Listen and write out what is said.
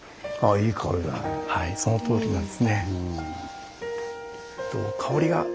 はいそのとおりなんですね。